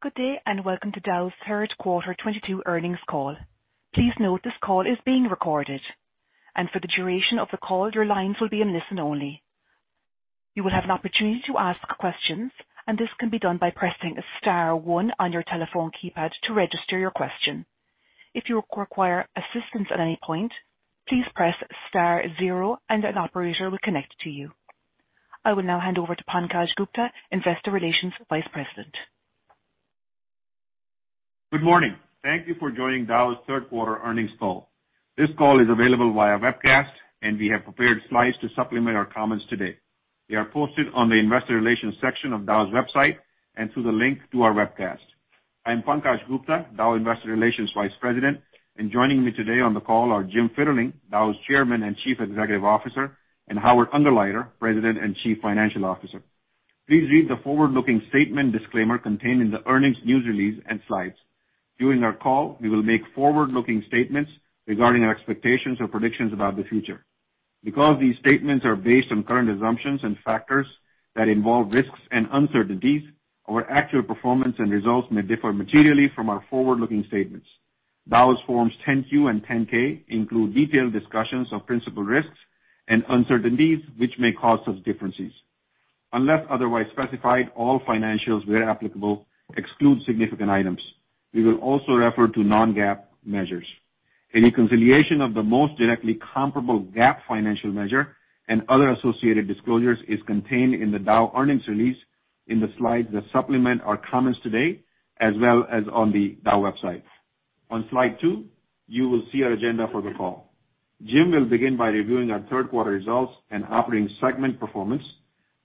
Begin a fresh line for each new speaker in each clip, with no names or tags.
Good day, and welcome to Dow's third quarter 2022 earnings call. Please note this call is being recorded, and for the duration of the call, your lines will be in listen only. You will have an opportunity to ask questions, and this can be done by pressing star one on your telephone keypad to register your question. If you require assistance at any point, please press star zero and an operator will connect to you. I will now hand over to Pankaj Gupta, Investor Relations Vice President.
Good morning. Thank you for joining Dow's third quarter earnings call. This call is available via webcast, and we have prepared slides to supplement our comments today. They are posted on the investor relations section of Dow's website and through the link to our webcast. I am Pankaj Gupta, Dow Investor Relations Vice President, and joining me today on the call are Jim Fitterling, Dow's Chairman and Chief Executive Officer, and Howard Ungerleider, President and Chief Financial Officer. Please read the forward-looking statement disclaimer contained in the earnings news release and slides. During our call, we will make forward-looking statements regarding our expectations or predictions about the future. Because these statements are based on current assumptions and factors that involve risks and uncertainties, our actual performance and results may differ materially from our forward-looking statements. Dow's Form 10-Q and Form 10-K include detailed discussions of principal risks and uncertainties which may cause such differences. Unless otherwise specified, all financials where applicable exclude significant items. We will also refer to non-GAAP measures. A reconciliation of the most directly comparable GAAP financial measure and other associated disclosures is contained in the Dow earnings release in the slides that supplement our comments today, as well as on the Dow website. On slide two, you will see our agenda for the call. Jim will begin by reviewing our third quarter results and operating segment performance.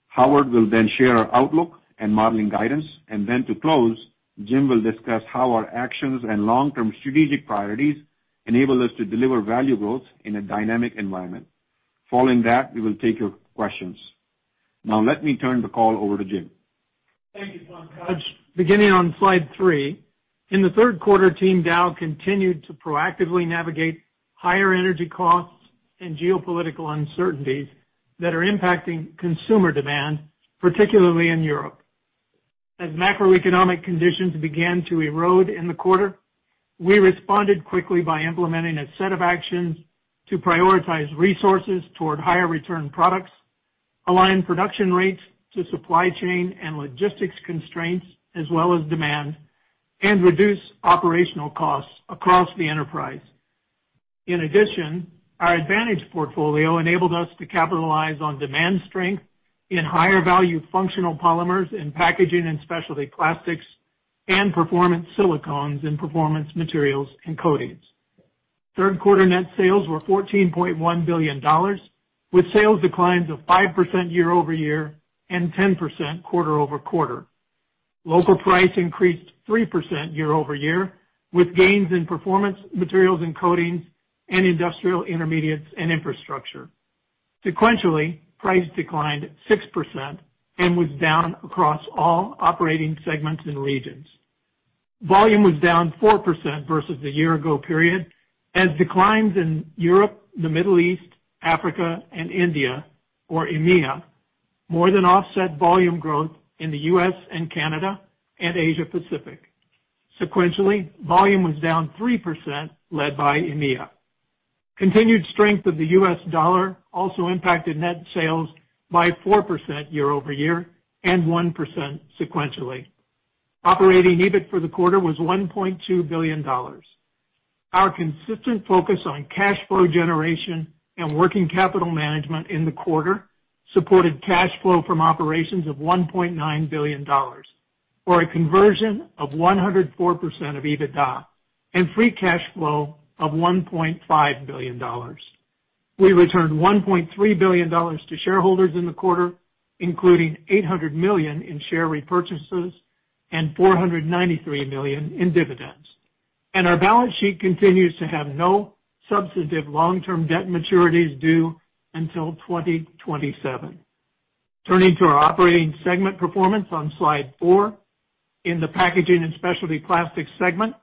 Howard will then share our outlook and modeling guidance. To close, Jim will discuss how our actions and long-term strategic priorities enable us to deliver value growth in a dynamic environment. Following that, we will take your questions. Now let me turn the call over to Jim.
Thank you, Pankaj. Beginning on slide 3, in the third quarter, Team Dow continued to proactively navigate higher energy costs and geopolitical uncertainties that are impacting consumer demand, particularly in Europe. As macroeconomic conditions began to erode in the quarter, we responded quickly by implementing a set of actions to prioritize resources toward higher return products, align production rates to supply chain and logistics constraints as well as demand, and reduce operational costs across the enterprise. In addition, our advantage portfolio enabled us to capitalize on demand strength in higher value functional polymers in Packaging & Specialty Plastics and performance silicones in Performance Materials & Coatings. Third quarter net sales were $14.1 billion, with sales declines of 5% year-over-year and 10% quarter-over-quarter. Local price increased 3% year-over-year, with gains in Performance Materials & Coatings and Industrial Intermediates & Infrastructure. Sequentially, price declined 6% and was down across all operating segments and regions. Volume was down 4% versus the year-ago period, as declines in Europe, the Middle East, Africa, and India, or EMEA, more than offset volume growth in the U.S. and Canada and Asia Pacific. Sequentially, volume was down 3%, led by EMEA. Continued strength of the U.S. dollar also impacted net sales by 4% year-over-year and 1% sequentially. Operating EBIT for the quarter was $1.2 billion. Our consistent focus on cash flow generation and working capital management in the quarter supported cash flow from operations of $1.9 billion, or a conversion of 104% of EBITDA and free cash flow of $1.5 billion. We returned $1.3 billion to shareholders in the quarter, including $800 million in share repurchases and $493 million in dividends. Our balance sheet continues to have no substantive long-term debt maturities due until 2027. Turning to our operating segment performance on slide four. In the Packaging & Specialty Plastics segment,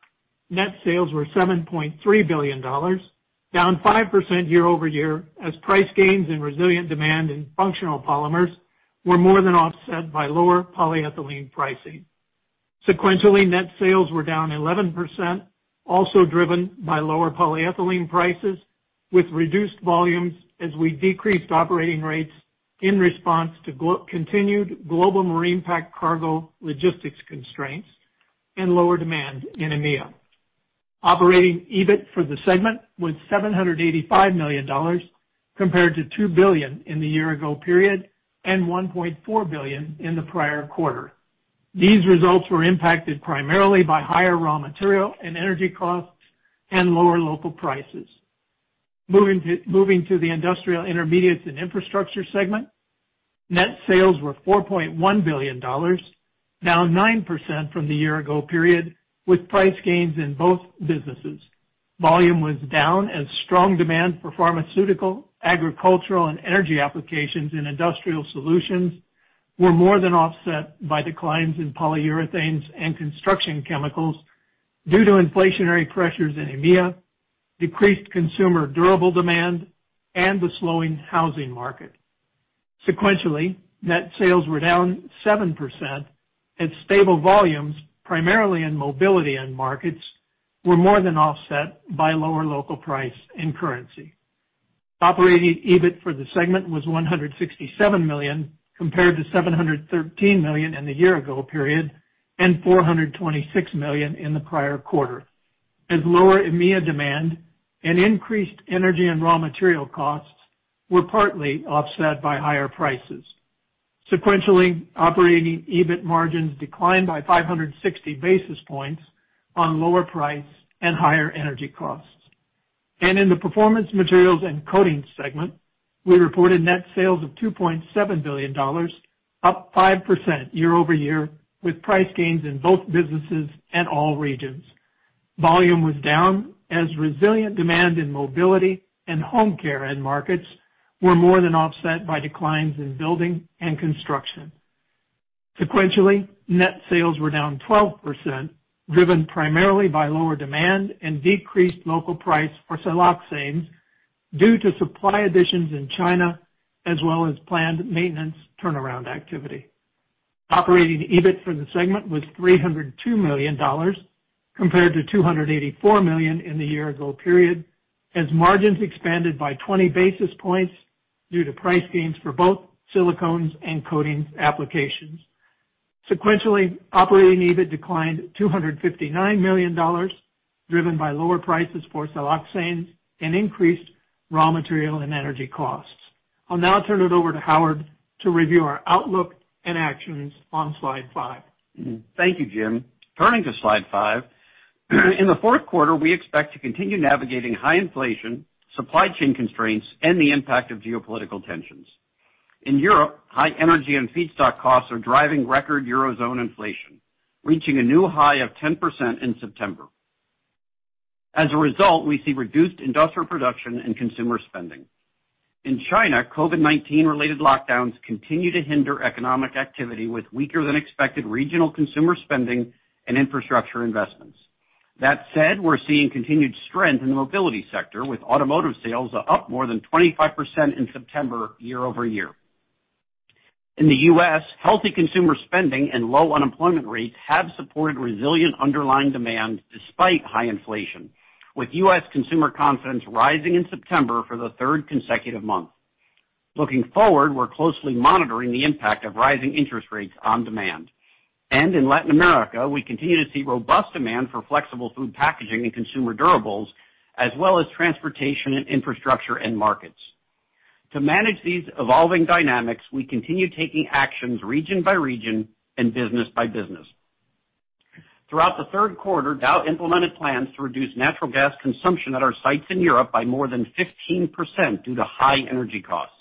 net sales were $7.3 billion, down 5% year-over-year as price gains in resilient demand and functional polymers were more than offset by lower polyethylene pricing. Sequentially, net sales were down 11%, also driven by lower polyethylene prices with reduced volumes as we decreased operating rates in response to continued global marine packed cargo logistics constraints and lower demand in EMEA. Operating EBIT for the segment was $785 million, compared to $2 billion in the year-ago period and $1.4 billion in the prior quarter. These results were impacted primarily by higher raw material and energy costs and lower local prices. Moving to the Industrial Intermediates & Infrastructure segment, net sales were $4.1 billion, down 9% from the year-ago period with price gains in both businesses. Volume was down as strong demand for pharmaceutical, agricultural, and energy applications in industrial solutions were more than offset by declines in polyurethanes and construction chemicals due to inflationary pressures in EMEA, decreased consumer durable demand, and the slowing housing market. Sequentially, net sales were down 7% at stable volumes, primarily in mobility end markets were more than offset by lower local price and currency. Operating EBIT for the segment was $167 million compared to $713 million in the year-ago period, and $426 million in the prior quarter. As lower EMEA demand and increased energy and raw material costs were partly offset by higher prices. Sequentially, operating EBIT margins declined by 560 basis points on lower price and higher energy costs. In the Performance Materials & Coatings segment, we reported net sales of $2.7 billion, up 5% year-over-year, with price gains in both businesses and all regions. Volume was down as resilient demand in mobility and home care end markets were more than offset by declines in building and construction. Sequentially, net sales were down 12%, driven primarily by lower demand and decreased local price for siloxanes due to supply additions in China, as well as planned maintenance turnaround activity. Operating EBIT for the segment was $302 million compared to $284 million in the year-ago period, as margins expanded by 20 basis points due to price gains for both silicones and coatings applications. Sequentially, operating EBIT declined $259 million, driven by lower prices for siloxanes and increased raw material and energy costs. I'll now turn it over to Howard to review our outlook and actions on slide five.
Thank you, Jim. Turning to slide five, in the fourth quarter, we expect to continue navigating high inflation, supply chain constraints, and the impact of geopolitical tensions. In Europe, high energy and feedstock costs are driving record Eurozone inflation, reaching a new high of 10% in September. As a result, we see reduced industrial production and consumer spending. In China, COVID-19 related lockdowns continue to hinder economic activity with weaker than expected regional consumer spending and infrastructure investments. That said, we're seeing continued strength in the mobility sector, with automotive sales up more than 25% in September year-over-year. In the U.S., healthy consumer spending and low unemployment rates have supported resilient underlying demand despite high inflation, with U.S. consumer confidence rising in September for the third consecutive month. Looking forward, we're closely monitoring the impact of rising interest rates on demand. In Latin America, we continue to see robust demand for flexible food packaging and consumer durables, as well as transportation and infrastructure end markets. To manage these evolving dynamics, we continue taking actions region by region and business by business. Throughout the third quarter, Dow implemented plans to reduce natural gas consumption at our sites in Europe by more than 15% due to high energy costs.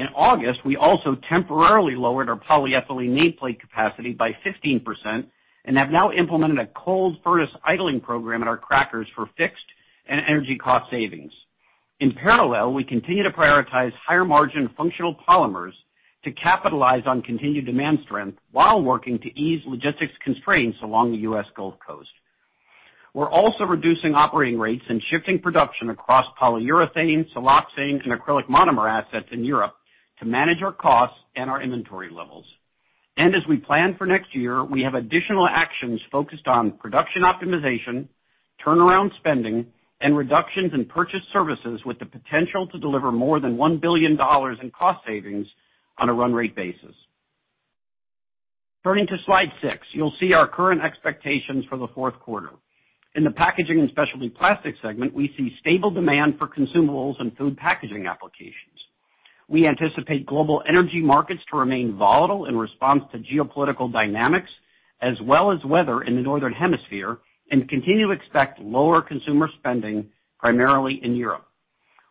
In August, we also temporarily lowered our polyethylene nameplate capacity by 15% and have now implemented a cold furnace idling program at our crackers for fixed and energy cost savings. In parallel, we continue to prioritize higher margin functional polymers to capitalize on continued demand strength while working to ease logistics constraints along the U.S. Gulf Coast. We're also reducing operating rates and shifting production across polyurethane, siloxanes, and acrylic monomer assets in Europe to manage our costs and our inventory levels. As we plan for next year, we have additional actions focused on production optimization, turnaround spending, and reductions in purchase services with the potential to deliver more than $1 billion in cost savings on a run rate basis. Turning to slide 6, you'll see our current expectations for the fourth quarter. In the Packaging & Specialty Plastics segment, we see stable demand for consumables and food packaging applications. We anticipate global energy markets to remain volatile in response to geopolitical dynamics as well as weather in the northern hemisphere, and continue to expect lower consumer spending primarily in Europe.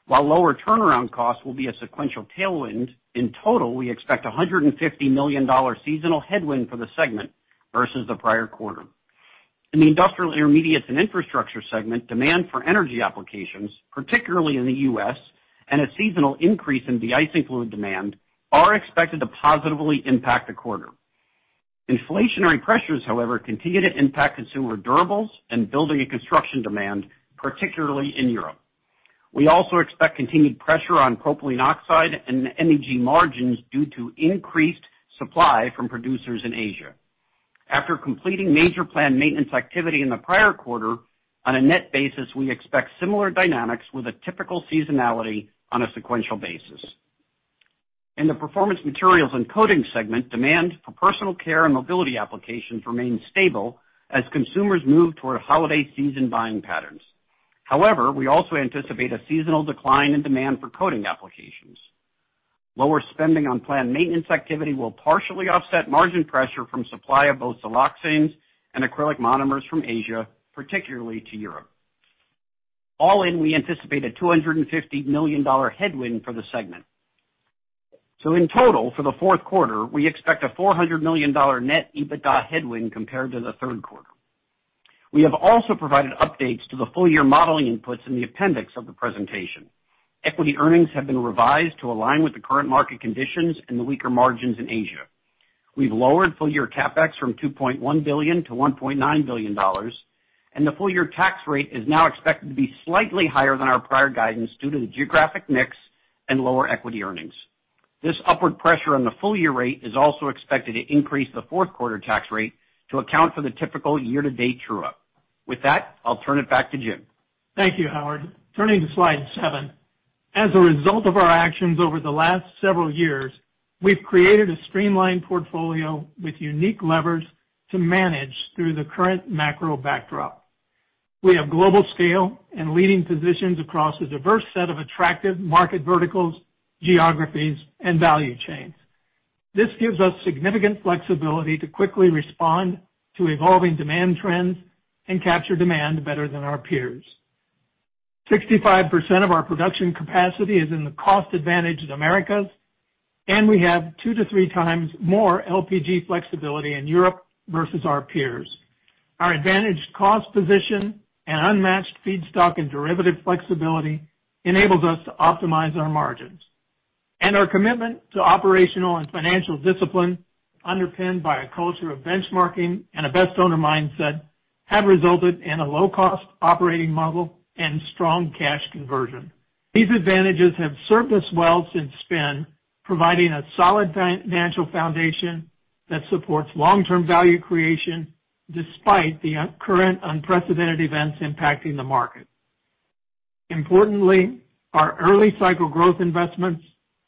While lower turnaround costs will be a sequential tailwind, in total, we expect $150 million seasonal headwind for the segment versus the prior quarter. In the Industrial Intermediates & Infrastructure segment, demand for energy applications, particularly in the U.S., and a seasonal increase in deicing fluid demand are expected to positively impact the quarter. Inflationary pressures, however, continue to impact consumer durables and building and construction demand, particularly in Europe. We also expect continued pressure on propylene oxide and MEG margins due to increased supply from producers in Asia. After completing major planned maintenance activity in the prior quarter, on a net basis, we expect similar dynamics with a typical seasonality on a sequential basis. In the Performance Materials & Coatings segment, demand for personal care and mobility applications remains stable as consumers move toward holiday season buying patterns. However, we also anticipate a seasonal decline in demand for coating applications. Lower spending on planned maintenance activity will partially offset margin pressure from supply of both siloxanes and acrylic monomers from Asia, particularly to Europe. All in, we anticipate a $250 million headwind for the segment. In total, for the fourth quarter, we expect a $400 million net EBITDA headwind compared to the third quarter. We have also provided updates to the full year modeling inputs in the appendix of the presentation. Equity earnings have been revised to align with the current market conditions and the weaker margins in Asia. We've lowered full year CapEx from $2.1 billion to $1.9 billion, and the full year tax rate is now expected to be slightly higher than our prior guidance due to the geographic mix and lower equity earnings. This upward pressure on the full year rate is also expected to increase the fourth quarter tax rate to account for the typical year-to-date true-up. With that, I'll turn it back to Jim.
Thank you, Howard. Turning to slide 7. As a result of our actions over the last several years, we've created a streamlined portfolio with unique levers to manage through the current macro backdrop. We have global scale and leading positions across a diverse set of attractive market verticals, geographies, and value chains. This gives us significant flexibility to quickly respond to evolving demand trends and capture demand better than our peers. 65% of our production capacity is in the cost advantage of Americas, and we have 2-3 times more LPG flexibility in Europe versus our peers. Our advantaged cost position and unmatched feedstock and derivative flexibility enables us to optimize our margins. Our commitment to operational and financial discipline, underpinned by a culture of benchmarking and a best owner mindset, have resulted in a low cost operating model and strong cash conversion. These advantages have served us well since spin, providing a solid financial foundation that supports long-term value creation despite the current unprecedented events impacting the market. Importantly, our early cycle growth investments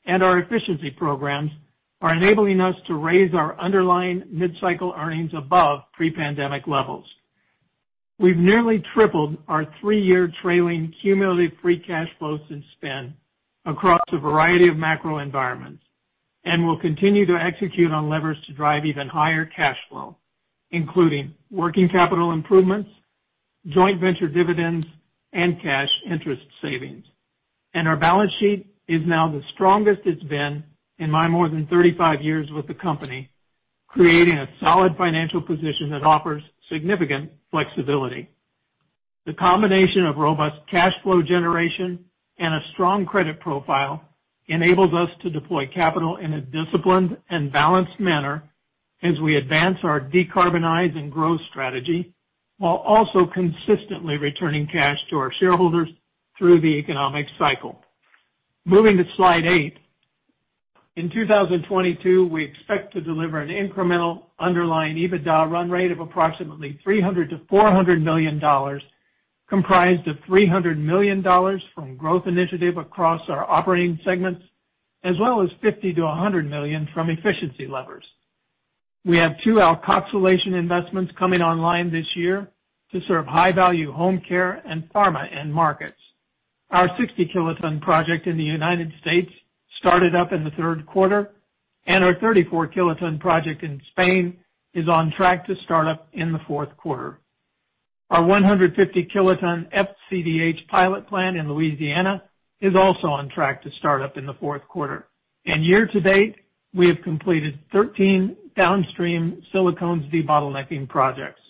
and our efficiency programs are enabling us to raise our underlying mid-cycle earnings above pre-pandemic levels. We've nearly tripled our three-year trailing cumulative free cash flow since spin across a variety of macro environments, and will continue to execute on levers to drive even higher cash flow, including working capital improvements, joint venture dividends, and cash interest savings. Our balance sheet is now the strongest it's been in my more than 35 years with the company, creating a solid financial position that offers significant flexibility. The combination of robust cash flow generation and a strong credit profile enables us to deploy capital in a disciplined and balanced manner as we advance our decarbonize and growth strategy, while also consistently returning cash to our shareholders through the economic cycle. Moving to slide 8. In 2022, we expect to deliver an incremental underlying EBITDA run rate of approximately $300 million-$400 million, comprised of $300 million from growth initiative across our operating segments, as well as $50 million-$100 million from efficiency levers. We have two alkoxylation investments coming online this year to serve high-value home care and pharma end markets. Our 60-kiloton project in the United States started up in the third quarter, and our 34-kiloton project in Spain is on track to start up in the fourth quarter. Our 150 kiloton FCDH pilot plant in Louisiana is also on track to start up in the fourth quarter. Year to date, we have completed 13 downstream silicones debottlenecking projects.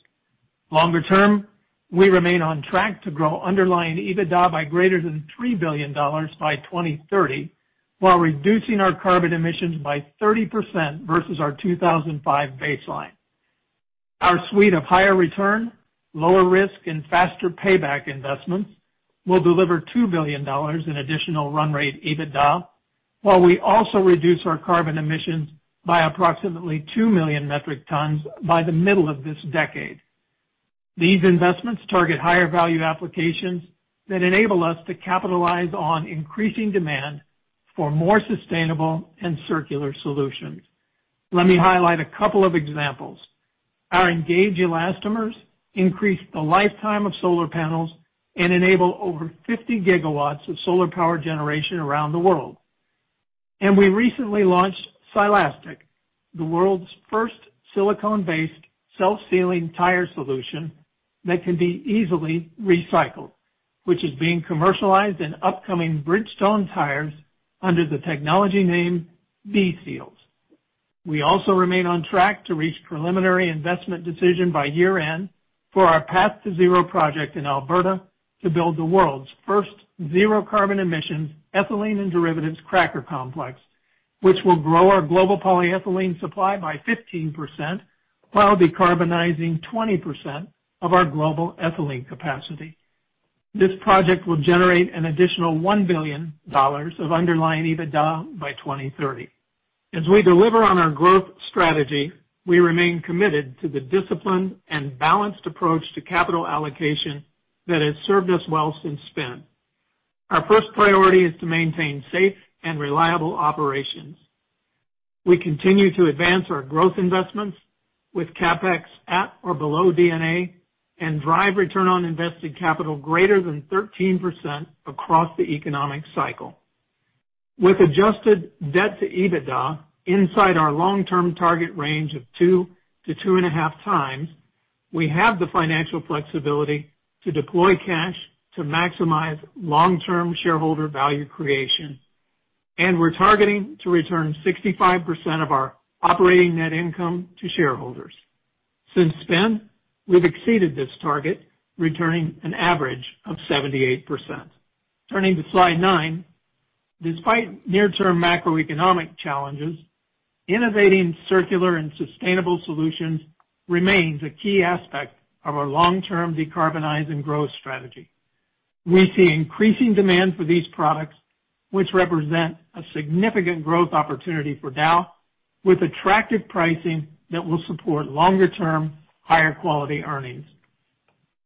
Longer term, we remain on track to grow underlying EBITDA by greater than $3 billion by 2030, while reducing our carbon emissions by 30% versus our 2005 baseline. Our suite of higher return, lower risk, and faster payback investments will deliver $2 billion in additional run rate EBITDA, while we also reduce our carbon emissions by approximately 2 million metric tons by the middle of this decade. These investments target higher value applications that enable us to capitalize on increasing demand for more sustainable and circular solutions. Let me highlight a couple of examples. Our ENGAGE elastomers increase the lifetime of solar panels and enable over 50 gigawatts of solar power generation around the world. We recently launched SILASTIC, the world's first silicone-based self-sealing tire solution that can be easily recycled, which is being commercialized in upcoming Bridgestone tires under the technology name B-SEALS. We also remain on track to reach preliminary investment decision by year-end for our Path2Zero project in Alberta to build the world's first zero carbon emissions ethylene and derivatives cracker complex, which will grow our global polyethylene supply by 15%, while decarbonizing 20% of our global ethylene capacity. This project will generate an additional $1 billion of underlying EBITDA by 2030. As we deliver on our growth strategy, we remain committed to the disciplined and balanced approach to capital allocation that has served us well since spin. Our first priority is to maintain safe and reliable operations. We continue to advance our growth investments with CapEx at or below D&A and drive return on invested capital greater than 13% across the economic cycle. With adjusted debt to EBITDA inside our long-term target range of 2-2.5 times, we have the financial flexibility to deploy cash to maximize long-term shareholder value creation, and we're targeting to return 65% of our operating net income to shareholders. Since then, we've exceeded this target, returning an average of 78%. Turning to slide 9. Despite near-term macroeconomic challenges, innovating circular and sustainable solutions remains a key aspect of our long-term decarbonize and growth strategy. We see increasing demand for these products, which represent a significant growth opportunity for Dow, with attractive pricing that will support longer term, higher quality earnings.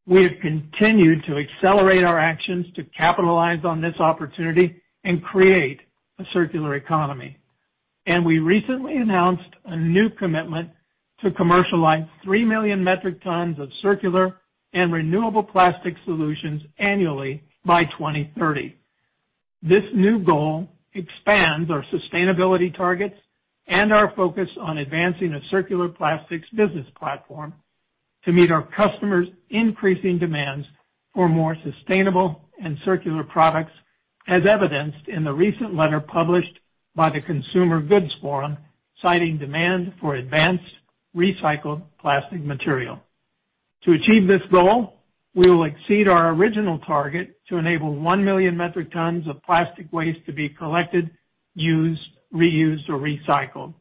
We have continued to accelerate our actions to capitalize on this opportunity and create a circular economy. We recently announced a new commitment to commercialize 3 million metric tons of circular and renewable plastic solutions annually by 2030. This new goal expands our sustainability targets and our focus on advancing a circular plastics business platform to meet our customers' increasing demands for more sustainable and circular products, as evidenced in the recent letter published by the Consumer Goods Forum, citing demand for advanced recycled plastic material. To achieve this goal, we will exceed our original target to enable 1 million metric tons of plastic waste to be collected, used, reused, or recycled.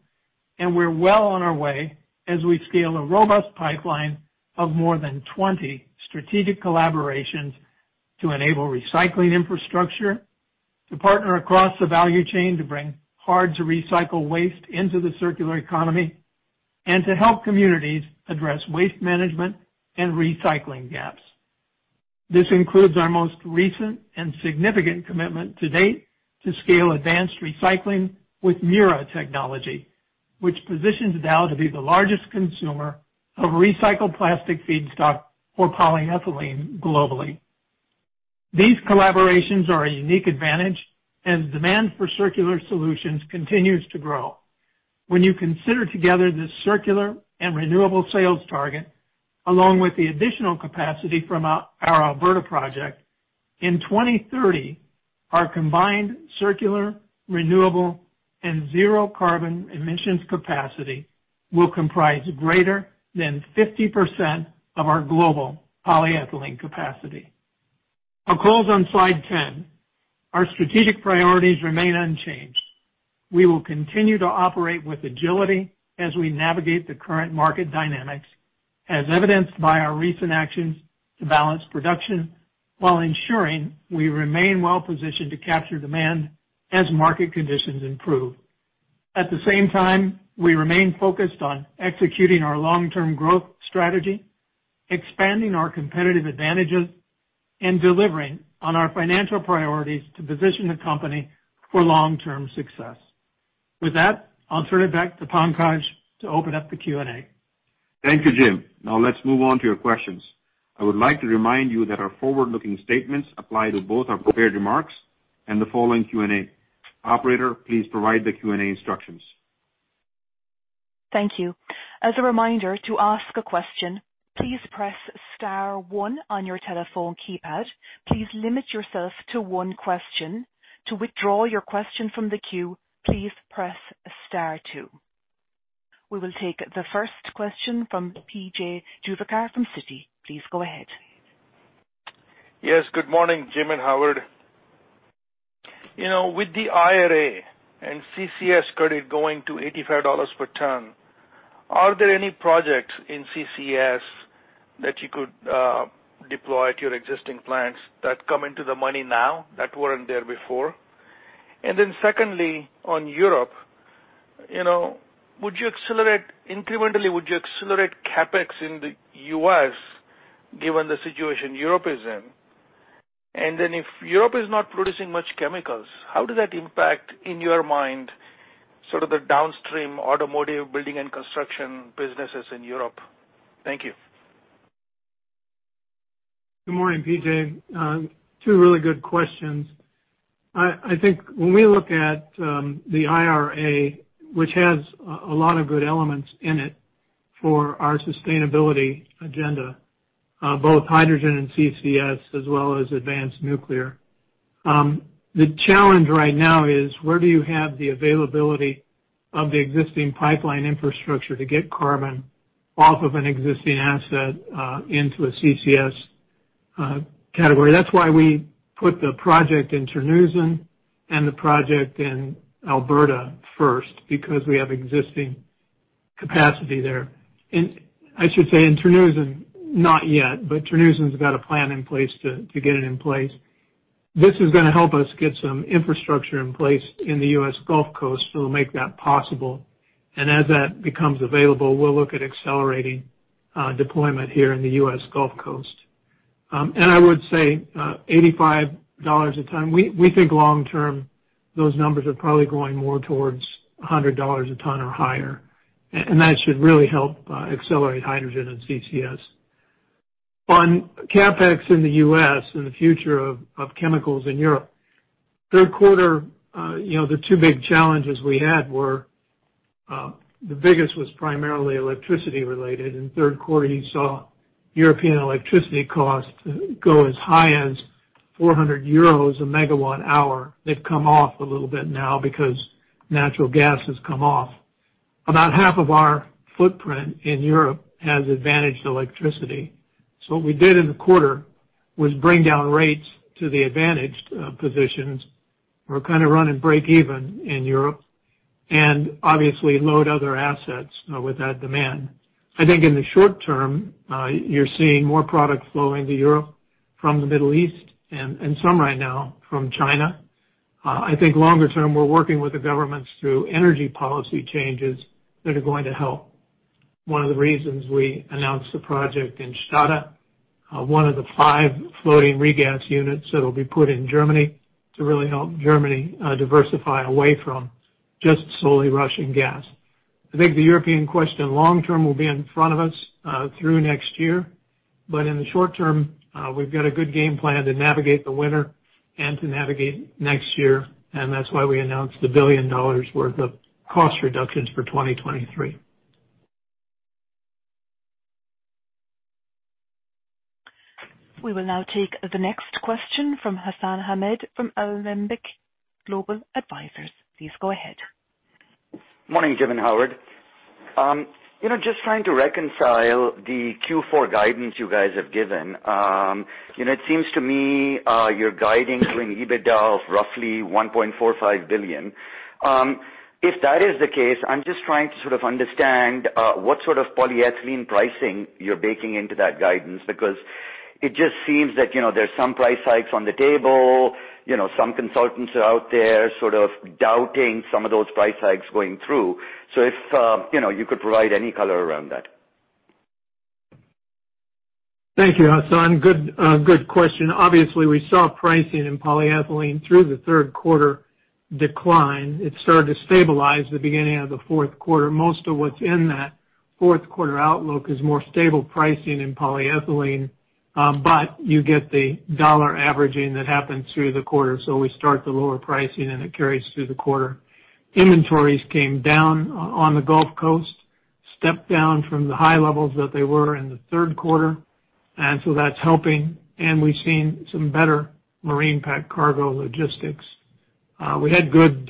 We're well on our way as we scale a robust pipeline of more than 20 strategic collaborations to enable recycling infrastructure, to partner across the value chain to bring hard-to-recycle waste into the circular economy, and to help communities address waste management and recycling gaps. This includes our most recent and significant commitment to date to scale advanced recycling with Mura Technology, which positions Dow to be the largest consumer of recycled plastic feedstock for polyethylene globally. These collaborations are a unique advantage as demand for circular solutions continues to grow. When you consider together this circular and renewable sales target, along with the additional capacity from our Alberta project, in 2030, our combined circular, renewable, and zero carbon emissions capacity will comprise greater than 50% of our global polyethylene capacity. I'll close on slide 10. Our strategic priorities remain unchanged. We will continue to operate with agility as we navigate the current market dynamics, as evidenced by our recent actions to balance production while ensuring we remain well positioned to capture demand as market conditions improve. At the same time, we remain focused on executing our long-term growth strategy, expanding our competitive advantages, and delivering on our financial priorities to position the company for long-term success. With that, I'll turn it back to Pankaj to open up the Q&A.
Thank you, Jim. Now let's move on to your questions. I would like to remind you that our forward-looking statements apply to both our prepared remarks and the following Q&A. Operator, please provide the Q&A instructions.
Thank you. As a reminder, to ask a question, please press star one on your telephone keypad. Please limit yourself to one question. To withdraw your question from the queue, please press star two. We will take the first question from P.J. Juvekar from Citi. Please go ahead.
Yes, good morning, Jim and Howard. You know, with the IRA and CCS credit going to $85 per ton, are there any projects in CCS that you could deploy to your existing plants that come into the money now that weren't there before? Then secondly, on Europe, you know, would you incrementally accelerate CapEx in the U.S., given the situation Europe is in? Then if Europe is not producing much chemicals, how does that impact, in your mind, sort of the downstream automotive building and construction businesses in Europe? Thank you.
Good morning, PJ. Two really good questions. I think when we look at the IRA, which has a lot of good elements in it for our sustainability agenda, both hydrogen and CCS, as well as advanced nuclear, the challenge right now is, where do you have the availability of the existing pipeline infrastructure to get carbon off of an existing asset into a CCS category? That's why we put the project in Terneuzen and the project in Alberta first, because we have existing capacity there. I should say, in Terneuzen, not yet, but Terneuzen's got a plan in place to get it in place. This is gonna help us get some infrastructure in place in the U.S. Gulf Coast, so it'll make that possible. As that becomes available, we'll look at accelerating deployment here in the U.S. Gulf Coast. I would say $85 a ton, we think long term, those numbers are probably going more towards $100 a ton or higher. And that should really help accelerate hydrogen and CCS. On CapEx in the U.S. and the future of chemicals in Europe, third quarter, you know, the two big challenges we had were, the biggest was primarily electricity related. In third quarter, you saw European electricity costs go as high as 400 euros a megawatt hour. They've come off a little bit now because natural gas has come off. About half of our footprint in Europe has advantaged electricity. So what we did in the quarter was bring down rates to the advantaged positions. We're kinda running breakeven in Europe, and obviously load other assets with that demand. I think in the short term, you're seeing more products flowing to Europe from the Middle East, and some right now from China. I think longer term, we're working with the governments through energy policy changes that are going to help. One of the reasons we announced the project in Stade, one of the five floating regas units that'll be put in Germany to really help Germany, diversify away from just solely Russian gas. I think the European question long term will be in front of us through next year. In the short term, we've got a good game plan to navigate the winter and to navigate next year, and that's why we announced $1 billion worth of cost reductions for 2023.
We will now take the next question from Hassan Ahmed from Alembic Global Advisors. Please go ahead.
Morning, Jim and Howard. You know, just trying to reconcile the Q4 guidance you guys have given. You know, it seems to me, you're guiding to an EBITDA of roughly $1.45 billion. If that is the case, I'm just trying to sort of understand what sort of polyethylene pricing you're baking into that guidance, because it just seems that, you know, there's some price hikes on the table. You know, some consultants are out there sort of doubting some of those price hikes going through. If you know, you could provide any color around that.
Thank you, Hassan. Good question. Obviously, we saw pricing in polyethylene through the third quarter decline. It started to stabilize the beginning of the fourth quarter. Most of what's in that fourth quarter outlook is more stable pricing in polyethylene, but you get the dollar averaging that happens through the quarter, so we start the lower pricing, and it carries through the quarter. Inventories came down on the U.S. Gulf Coast, stepped down from the high levels that they were in the third quarter. That's helping, and we've seen some better marine packed cargo logistics. We had good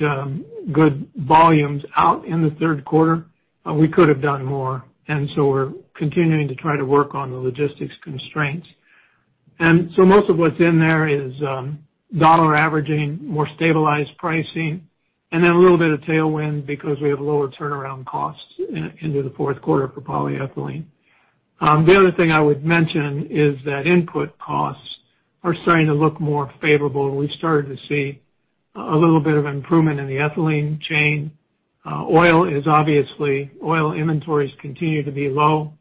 volumes out in the third quarter. We could have done more, and we're continuing to try to work on the logistics constraints. Most of what's in there is dollar averaging, more stabilized pricing, and then a little bit of tailwind because we have lower turnaround costs into the fourth quarter for polyethylene. The other thing I would mention is that input costs are starting to look more favorable. We've started to see a little bit of improvement in the ethylene chain. Oil inventories continue to be low,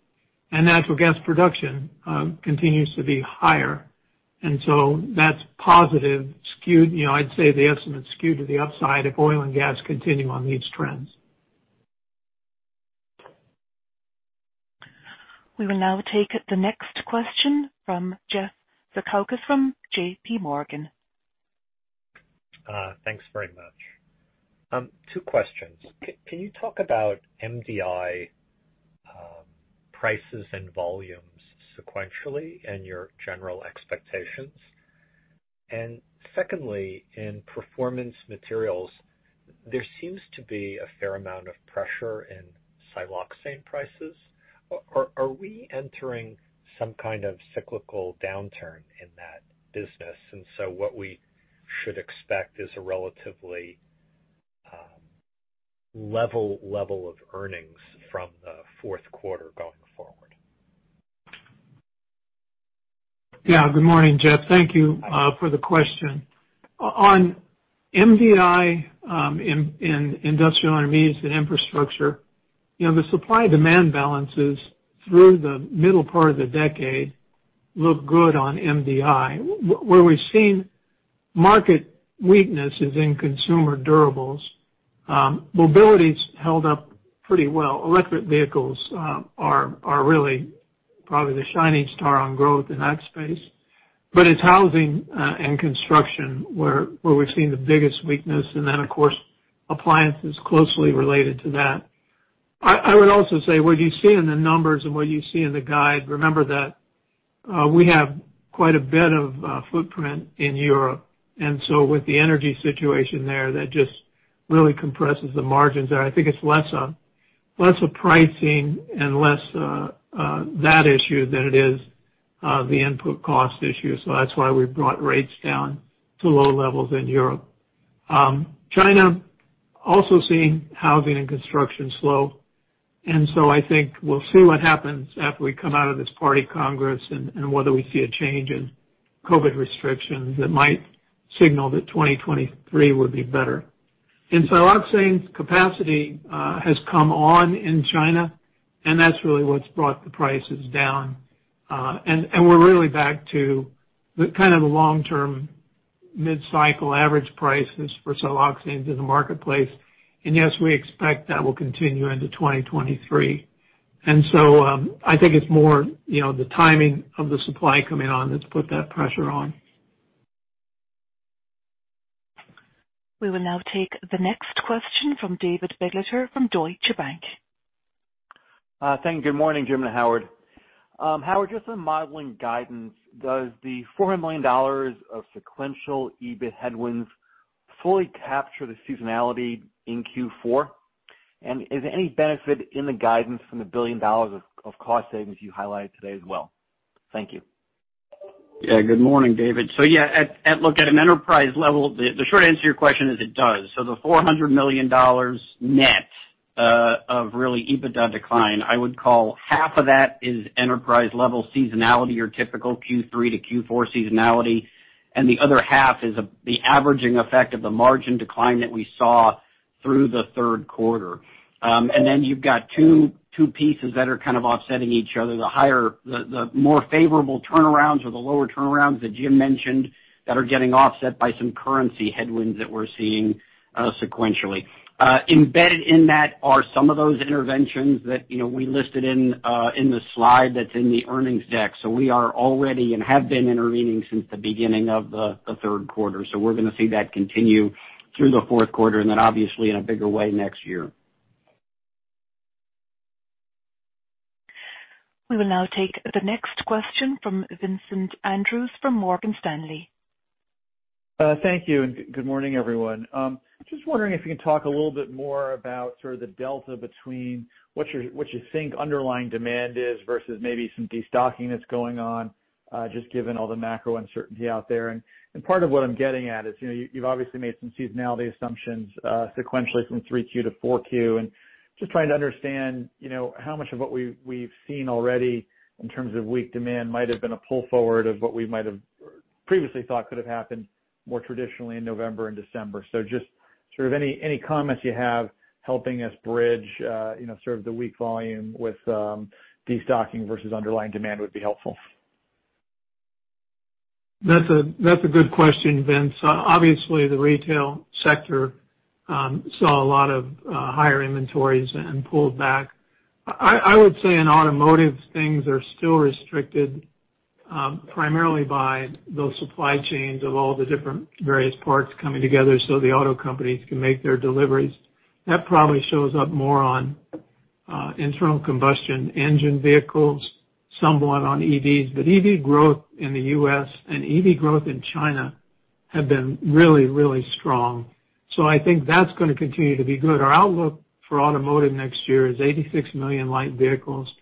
and natural gas production continues to be higher. That's positive skewed. You know, I'd say the estimates skew to the upside if oil and gas continue on these trends.
We will now take the next question from Jeffrey Zekauskas from JPMorgan.
Thanks very much. Two questions. Can you talk about MDI prices and volumes sequentially and your general expectations? Secondly, in Performance Materials, there seems to be a fair amount of pressure in siloxanes prices. Are we entering some kind of cyclical downturn in that business, and so what we should expect is a relatively level of earnings from the fourth quarter going forward?
Yeah. Good morning, Jeff. Thank you for the question. On MDI, in Industrial Intermediates & Infrastructure, you know, the supply-demand balance is through the middle part of the decade look good on MDI. Where we've seen market weakness is in consumer durables. Mobility's held up pretty well. Electric vehicles are really probably the shining star on growth in that space. But it's housing and construction where we've seen the biggest weakness, and then of course, appliances closely related to that. I would also say what you see in the numbers and what you see in the guide, remember that we have quite a bit of footprint in Europe. With the energy situation there, that just really compresses the margins there. I think it's less of pricing and less of that issue than it is the input cost issue. That's why we've brought rates down to low levels in Europe. China also seeing housing and construction slow. I think we'll see what happens after we come out of this Party Congress and whether we see a change in COVID restrictions that might signal that 2023 would be better. Siloxanes capacity has come on in China, and that's really what's brought the prices down. We're really back to the kind of the long-term mid-cycle average prices for siloxanes to the marketplace. Yes, we expect that will continue into 2023. I think it's more, you know, the timing of the supply coming on that's put that pressure on.
We will now take the next question from David Begleiter from Deutsche Bank.
Thank you. Good morning, Jim and Howard. Howard, just on modeling guidance, does the $400 million of sequential EBIT headwinds fully capture the seasonality in Q4? Is there any benefit in the guidance from the $1 billion of cost savings you highlighted today as well? Thank you.
Yeah, good morning, David. Yeah, at a look at an enterprise level, the short answer to your question is it does. The $400 million net of really EBITDA decline, I would call half of that is enterprise level seasonality or typical Q3 to Q4 seasonality, and the other half is the averaging effect of the margin decline that we saw through the third quarter. Then you've got two pieces that are kind of offsetting each other. The more favorable turnarounds or the lower turnarounds that Jim mentioned that are getting offset by some currency headwinds that we're seeing sequentially. Embedded in that are some of those interventions that you know we listed in the slide that's in the earnings deck. We are already and have been intervening since the beginning of the third quarter. We're gonna see that continue through the fourth quarter and then obviously in a bigger way next year.
We will now take the next question from Vincent Andrews from Morgan Stanley.
Thank you, and good morning, everyone. Just wondering if you can talk a little bit more about sort of the delta between what you think underlying demand is versus maybe some destocking that's going on, just given all the macro uncertainty out there. Part of what I'm getting at is, you know, you've obviously made some seasonality assumptions, sequentially from 3Q to 4Q. Just trying to understand, you know, how much of what we've seen already in terms of weak demand might have been a pull forward of what we might have previously thought could have happened more traditionally in November and December. Just sort of any comments you have helping us bridge, you know, sort of the weak volume with destocking versus underlying demand would be helpful.
That's a good question, Vince. Obviously the retail sector saw a lot of higher inventories and pulled back. I would say in automotive things are still restricted primarily by those supply chains of all the different various parts coming together so the auto companies can make their deliveries. That probably shows up more on internal combustion engine vehicles, somewhat on EVs. EV growth in the U.S. and EV growth in China have been really, really strong. I think that's gonna continue to be good. Our outlook for automotive next year is 86 million light vehicles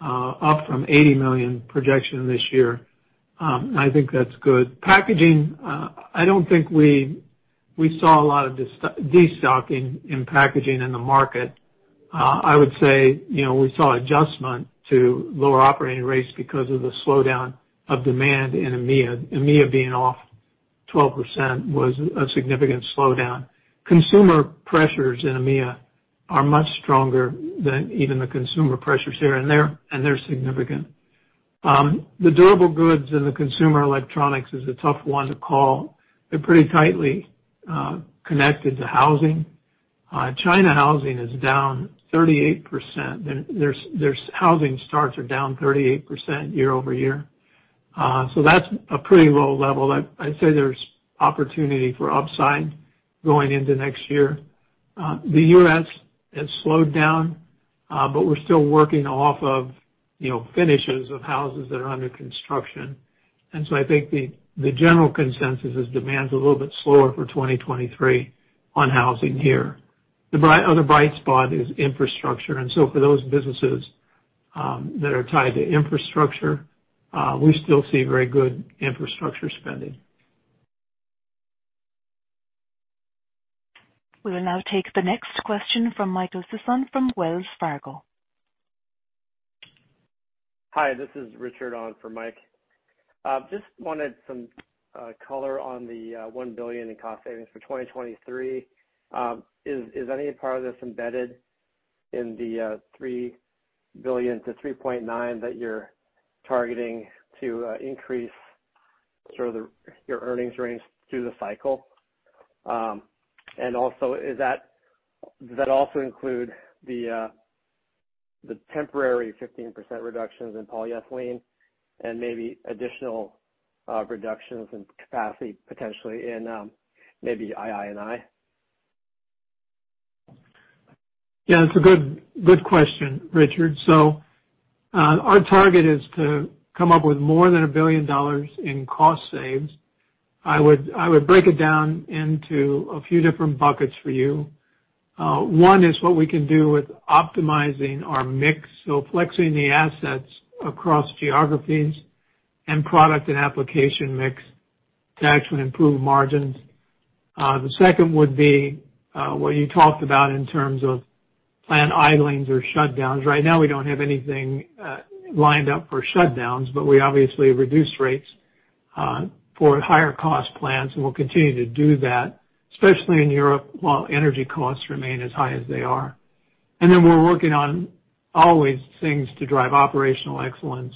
up from 80 million projection this year. I think that's good. Packaging I don't think we saw a lot of destocking in packaging in the market. I would say, you know, we saw adjustment to lower operating rates because of the slowdown of demand in EMEA. EMEA being off 12% was a significant slowdown. Consumer pressures in EMEA are much stronger than even the consumer pressures here, and they're significant. The durable goods and the consumer electronics is a tough one to call. They're pretty tightly connected to housing. China housing is down 38%. There's housing starts are down 38% year-over-year. That's a pretty low level. I'd say there's opportunity for upside going into next year. The U.S. has slowed down, but we're still working off of, you know, finishes of houses that are under construction. I think the general consensus is demand's a little bit slower for 2023 on housing here. The bright spot is infrastructure. For those businesses that are tied to infrastructure, we still see very good infrastructure spending.
We will now take the next question from Michael Sison from Wells Fargo.
Hi, this is Richard on for Mike. Just wanted some color on the $1 billion in cost savings for 2023. Is any part of this embedded in the $3 billion-$3.9 billion that you're targeting to increase your earnings range through the cycle? Does that also include the temporary 15% reductions in polyethylene and maybe additional reductions in capacity potentially in maybe II&I?
Yeah, it's a good question, Richard. Our target is to come up with more than $1 billion in cost saves. I would break it down into a few different buckets for you. One is what we can do with optimizing our mix, so flexing the assets across geographies and product and application mix to actually improve margins. The second would be what you talked about in terms of plant idlings or shutdowns. Right now, we don't have anything lined up for shutdowns, but we obviously have reduced rates for higher cost plants, and we'll continue to do that, especially in Europe, while energy costs remain as high as they are. Then we're always working on things to drive operational excellence.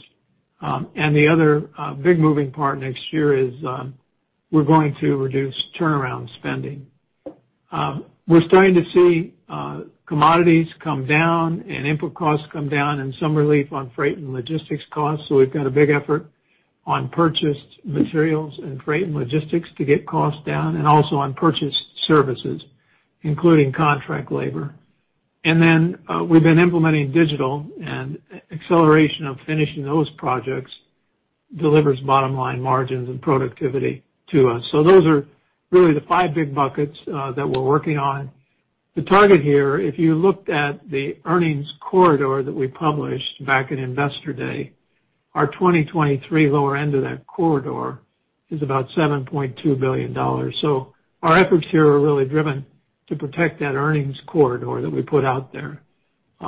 The other big moving part next year is we're going to reduce turnaround spending. We're starting to see commodities come down and input costs come down and some relief on freight and logistics costs, so we've got a big effort on purchased materials and freight and logistics to get costs down and also on purchased services, including contract labor. Then, we've been implementing digital and acceleration of finishing those projects delivers bottom line margins and productivity to us. Those are really the five big buckets that we're working on. The target here, if you looked at the earnings corridor that we published back at Investor Day, our 2023 lower end of that corridor is about $7.2 billion. Our efforts here are really driven to protect that earnings corridor that we put out there.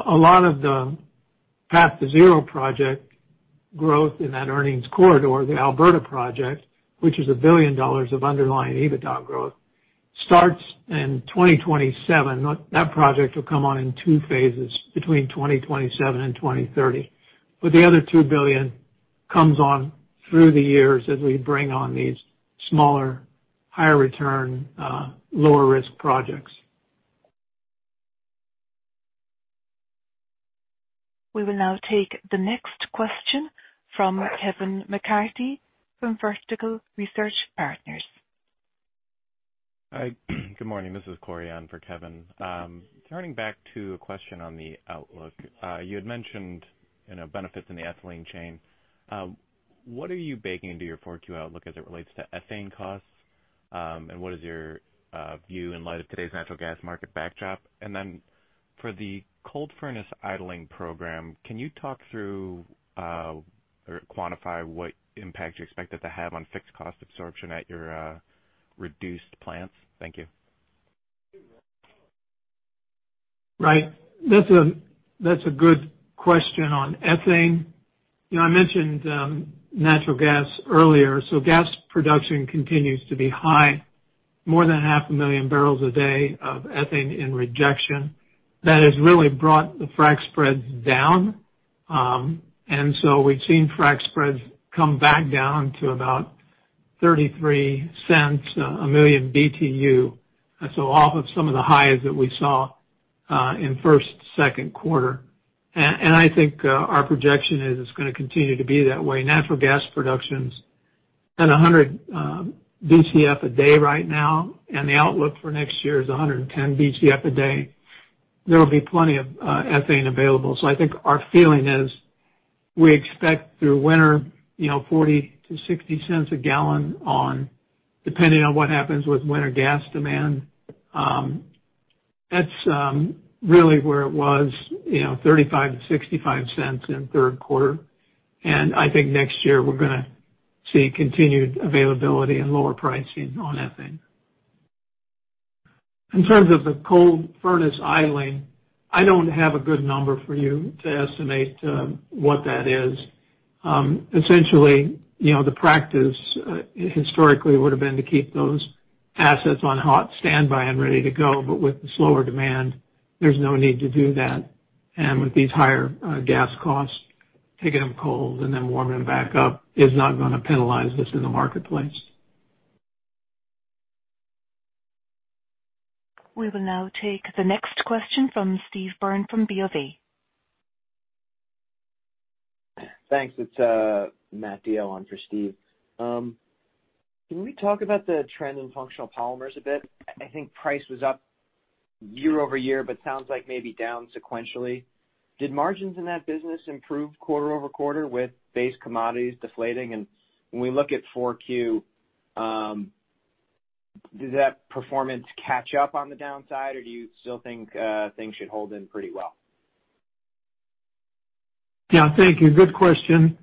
A lot of the Path2Zero project growth in that earnings corridor, the Alberta project, which is $1 billion of underlying EBITDA growth, starts in 2027. That project will come on in two phases between 2027 and 2030. The other $2 billion comes on through the years as we bring on these smaller, higher return, lower risk projects.
We will now take the next question from Kevin McCarthy from Vertical Research Partners.
Hi. Good morning. This is Cory on for Kevin. Turning back to a question on the outlook. You had mentioned, you know, benefits in the ethylene chain. What are you baking into your 4Q outlook as it relates to ethane costs? What is your view in light of today's natural gas market backdrop? For the cold furnace idling program, can you talk through or quantify what impact you expect it to have on fixed cost absorption at your reduced plants? Thank you.
Right. That's a good question on ethane. You know, I mentioned natural gas earlier. Gas production continues to be high, more than 500,000 barrels a day of ethane in rejection. That has really brought the frac spreads down. We've seen frac spreads come back down to about $0.33 a million BTU, so off of some of the highs that we saw in first, second quarter. And I think our projection is it's gonna continue to be that way. Natural gas production's at 100 BCF a day right now, and the outlook for next year is 110 BCF a day. There will be plenty of ethane available. I think our feeling is we expect through winter, you know, $0.40-$0.60 a gallon on, depending on what happens with winter gas demand. That's really where it was, you know, $0.35-$0.65 in the third quarter. I think next year we're gonna see continued availability and lower pricing on ethane. In terms of the cold furnace idling, I don't have a good number for you to estimate what that is. Essentially, you know, the practice historically would've been to keep those assets on hot standby and ready to go. But with the slower demand, there's no need to do that. With these higher gas costs, taking them cold and then warming them back up is not gonna penalize us in the marketplace.
We will now take the next question from Steve Byrne from BofA.
Thanks. It's Matt on for Steve. Can we talk about the trend in functional polymers a bit? I think price was up year-over-year, but sounds like maybe down sequentially. Did margins in that business improve quarter-over-quarter with base commodities deflating? When we look at 4Q, does that performance catch up on the downside, or do you still think things should hold in pretty well?
Yeah. Thank you. Good question.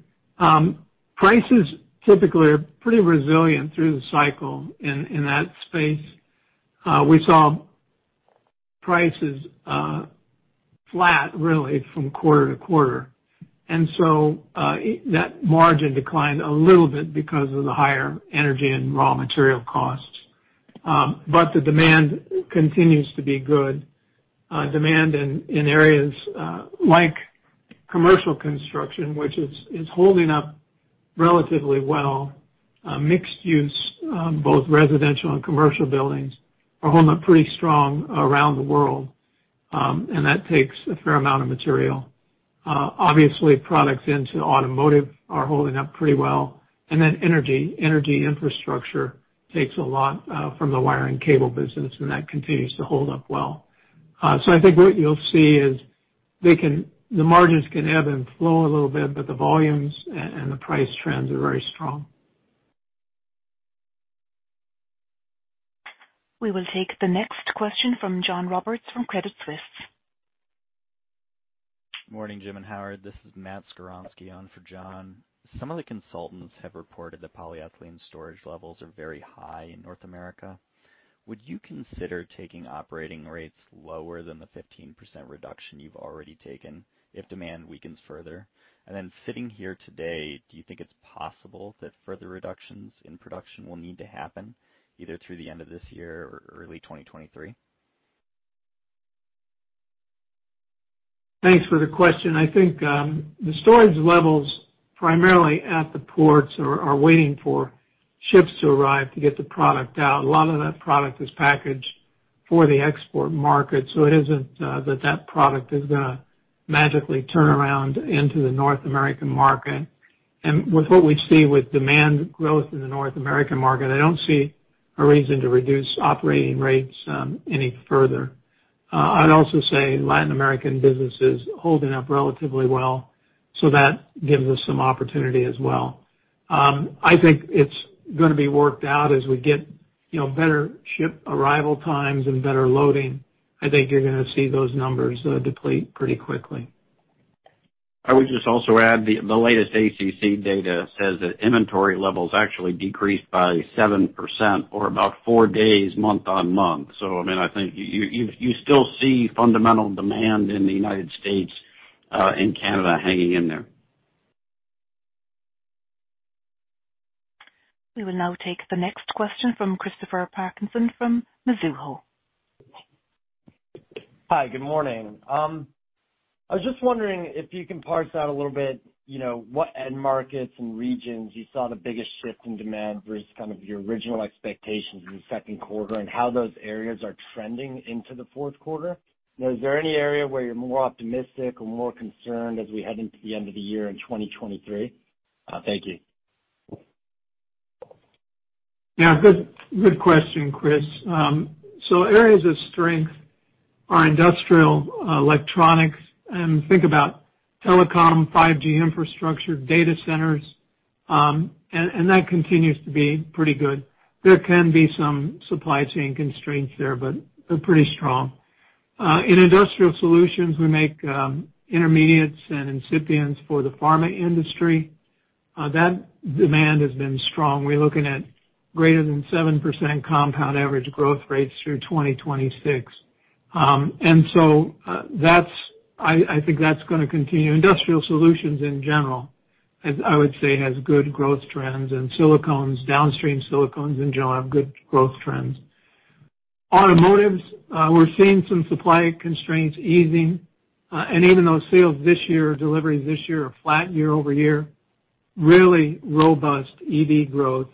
Prices typically are pretty resilient through the cycle in that space. We saw prices flat really from quarter to quarter. That margin declined a little bit because of the higher energy and raw material costs. The demand continues to be good. Demand in areas like commercial construction, which is holding up relatively well. Mixed use, both residential and commercial buildings are holding up pretty strong around the world, and that takes a fair amount of material. Obviously products into automotive are holding up pretty well. Energy infrastructure takes a lot from the wiring cable business, and that continues to hold up well. I think what you'll see is the margins can ebb and flow a little bit, but the volumes and the price trends are very strong.
We will take the next question from John Roberts from Credit Suisse.
Morning, Jim and Howard. This is Matt Skowronski on for John. Some of the consultants have reported that polyethylene storage levels are very high in North America. Would you consider taking operating rates lower than the 15% reduction you've already taken if demand weakens further? Sitting here today, do you think it's possible that further reductions in production will need to happen either through the end of this year or early 2023?
Thanks for the question. I think the storage levels primarily at the ports are waiting for ships to arrive to get the product out. A lot of that product is packaged for the export market, so it isn't that product is gonna magically turn around into the North American market. With what we see with demand growth in the North American market, I don't see a reason to reduce operating rates any further. I'd also say Latin American business is holding up relatively well, so that gives us some opportunity as well. I think it's gonna be worked out as we get you know better ship arrival times and better loading. I think you're gonna see those numbers deplete pretty quickly.
I would just also add the latest ACC data says that inventory levels actually decreased by 7% or about four days month-on-month. I mean, I think you still see fundamental demand in the United States and Canada hanging in there.
We will now take the next question from Christopher Parkinson from Mizuho.
Hi, good morning. I was just wondering if you can parse out a little bit, you know, what end markets and regions you saw the biggest shift in demand versus kind of your original expectations in the second quarter, and how those areas are trending into the fourth quarter. You know, is there any area where you're more optimistic or more concerned as we head into the end of the year in 2023? Thank you.
Yeah. Good question, Chris. Areas of strength are industrial, electronics, and think about telecom, 5G infrastructure, data centers, and that continues to be pretty good. There can be some supply chain constraints there, but they're pretty strong. In industrial solutions, we make intermediates and excipients for the pharma industry. That demand has been strong. We're looking at greater than 7% compound average growth rates through 2026. I think that's gonna continue. Industrial solutions in general, I would say, has good growth trends, and silicones, downstream silicones in general have good growth trends. Automotives, we're seeing some supply constraints easing. Even though sales this year or deliveries this year are flat year-over-year, really robust EV growth,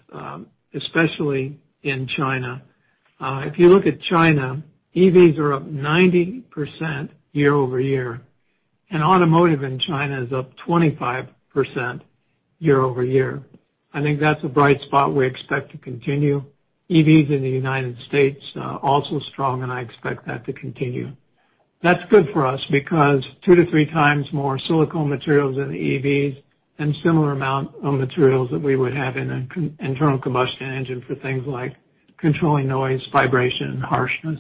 especially in China. If you look at China, EVs are up 90% year-over-year, and automotive in China is up 25% year-over-year. I think that's a bright spot we expect to continue. EVs in the United States also strong, and I expect that to continue. That's good for us because 2-3 times more silicone materials in the EVs and similar amount of materials that we would have in an internal combustion engine for things like controlling noise, vibration, and harshness.